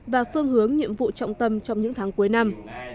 và phương hướng nhiệm vụ trọng tâm trong những tháng cuối năm